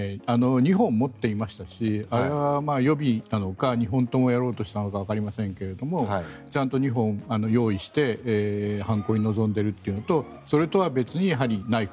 ２本持っていましたしあれは予備なのか２本ともやろうとしたのかわかりませんけれどもちゃんと２本用意して犯行に臨んでいるというのとそれとは別にやはりナイフ。